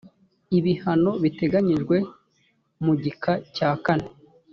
ibihano biteganyijwe mu gika cya kane